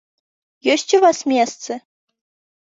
Ёсць у вас месцы?